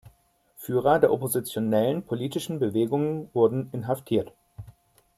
Führer der oppositionellen politischen Bewegungen wurden inhaftiert.